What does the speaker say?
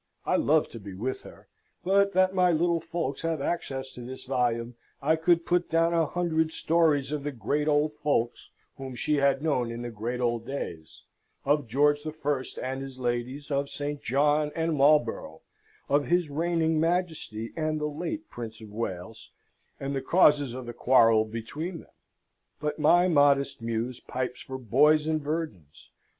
I loved to be with her: but that my little folks have access to this volume, I could put down a hundred stories of the great old folks whom she had known in the great old days of George the First and his ladies, of St. John and Marlborough, of his reigning Majesty and the late Prince of Wales, and the causes of the quarrel between them but my modest muse pipes for boys and virgins.